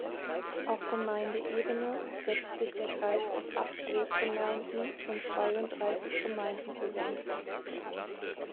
Auf Gemeindeebene setzt sich der Kreis aus acht Großgemeinden und zweiunddreißig Gemeinden zusammen.